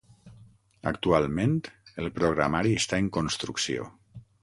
Actualment, el programari està en construcció.